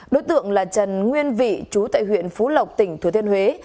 đối tượng là trần nguyên vị trú tại huyện phú lộc tỉnh thủ thiên huế